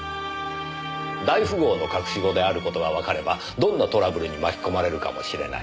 大富豪の隠し子である事がわかればどんなトラブルに巻き込まれるかもしれない。